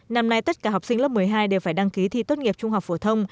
năm nay tất cả học sinh lớp một mươi hai đều phải đăng ký thi tốt nghiệp trung học phổ thông